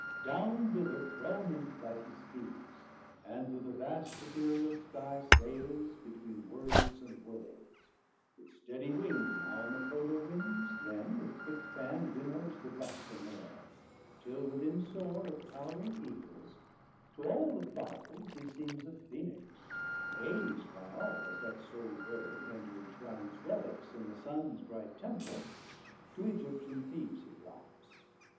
Down thither prone in flight He speeds, and through the vast Ethereal Skie Sailes between worlds & worlds, with steddie wing Now on the polar windes, then with quick Fann Winnows the buxom Air; till within soare 270 Of Towring Eagles, to all the Fowles he seems A Phoenix, gaz'd by all, as that sole Bird When to enshrine his reliques in the Sun's Bright Temple, to Aegyptian Theb's he flies.